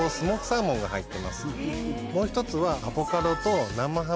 もう１つは。